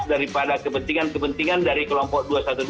daripada kepentingan kepentingan dari kelompok dua ratus dua belas